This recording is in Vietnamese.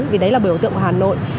vì đấy là biểu tượng của hà nội